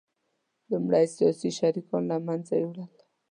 لومړی سیاسي شریکان له منځه یوړل